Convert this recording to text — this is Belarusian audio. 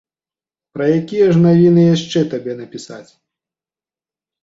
Пра якія ж навіны яшчэ табе напісаць?